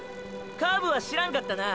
カブは知らんかったな。